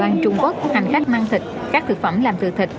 ở đài loan trung quốc hành khách mang thịt các thực phẩm làm từ thịt